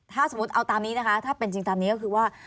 ถ้าสมมุติเอาตามนี้นะคะถ้าเป็นจริงตามนี้ก็คือว่า